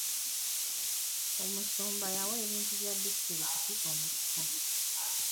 Omusumba yawa ebintu bya disitulikiti omukisa.